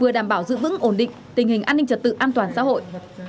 vừa đảm bảo giữ vững ổn định tình hình an ninh trật tự an toàn xã hội